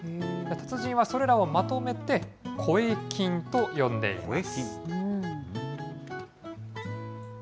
達人はそれらをまとめて、声筋と呼んでいます。